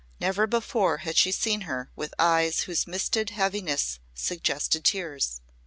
Never before had she seen her with eyes whose misted heaviness suggested tears.